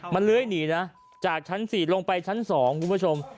มันเลื้อยหนีนะจากชั้น๔ลงไปชั้น๒คุณผู้ชม